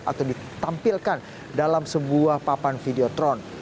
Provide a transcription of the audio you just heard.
atau ditampilkan dalam sebuah papan videotron